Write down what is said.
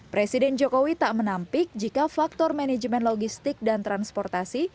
presiden jokowi tak menampik jika faktor manajemen logistik dan transportasi